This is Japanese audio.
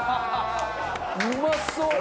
うまそう！